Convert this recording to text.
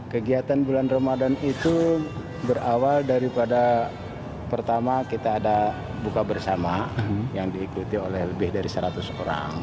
kegiatan bulan ramadan itu berawal daripada pertama kita ada buka bersama yang diikuti oleh lebih dari seratus orang